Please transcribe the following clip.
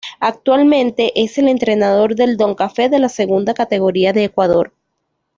Actualmente es el entrenador del Don Cafe de la Segunda Categoría de Ecuador.